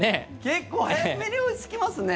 結構早めに追いつきますね。